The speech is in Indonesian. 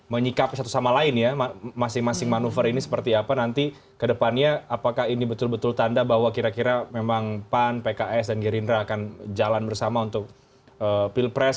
menyikapi satu sama lain ya masing masing manuver ini seperti apa nanti kedepannya apakah ini betul betul tanda bahwa kira kira memang pan pks dan gerindra akan jalan bersama untuk pilpres